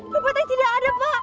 lupa saya tidak ada pak